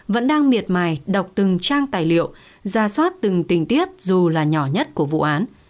vẫn đang miệt mài đọc từng trang tài liệu ra soát từng tình tiết dù là nhỏ nhất của vụ án